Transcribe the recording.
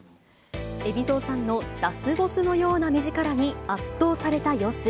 海老蔵さんのラスボスのような目力に圧倒された様子。